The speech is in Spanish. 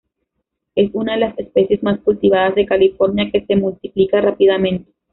Es una de las especies más cultivadas de California que se multiplica rápidamente.